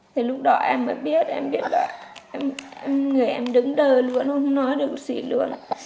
thì lúc đó em mới biết em biết là người em đứng đơ luôn không nói được gì luôn